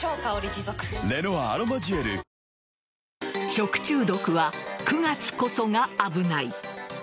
食中毒は９月こそが危ない。